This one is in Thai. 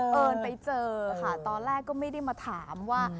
เอิญไปเจอค่ะตอนแรกก็ไม่ได้มาถามว่า